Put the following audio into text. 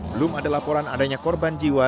belum ada laporan adanya korban jiwa